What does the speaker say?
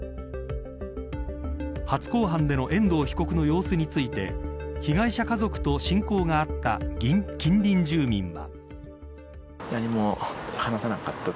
初公判での遠藤被告の様子について被害者家族と親交があった近隣住民は。